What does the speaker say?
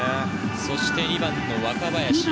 そして２番・若林。